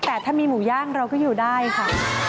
แต่ถ้ามีหมูย่างเราก็อยู่ได้ค่ะ